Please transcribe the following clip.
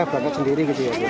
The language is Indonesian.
iya berangkat sendiri